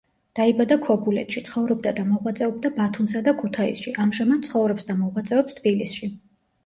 დაიბადა ქობულეთში, ცხოვრობდა და მოღვაწეობდა ბათუმსა და ქუთაისში, ამჟამად ცხოვრობს და მოღვაწეობს თბილისში.